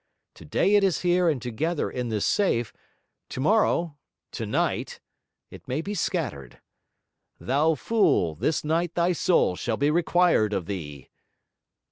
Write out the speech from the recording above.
Today it is here and together in this safe; tomorrow tonight! it may be scattered. Thou fool, this night thy soul shall be required of thee.'